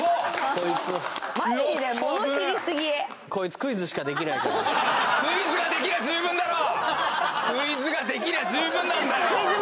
こいつマジでクイズができりゃ十分なんだよ！